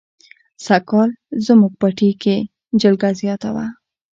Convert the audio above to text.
سږ کال زموږ پټي کې جلگه زیاته وه.